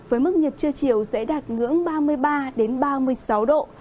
với mức nhiệt trưa chiều sẽ đạt ngưỡng ba mươi ba ba mươi sáu độ